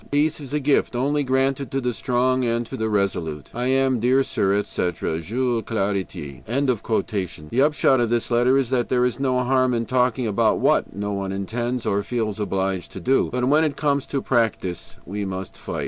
"Peace is a gift only granted to the strong and the resolute. "I am, dear sir, etc., "JULES CLARETIE." The upshot of this letter is that there is no harm in talking about what no one intends or feels obliged to do. But when it comes to practice, we must fight.